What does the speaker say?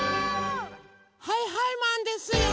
はいはいマンですよ！